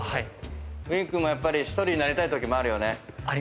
ウィン君もやっぱり１人になりたいときもあるよね。